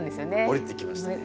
おりてきましたね。